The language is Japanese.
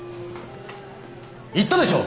言ったでしょ！